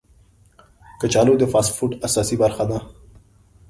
کچالو د فاسټ فوډ اساسي برخه ده